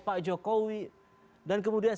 pak jokowi dan kemudian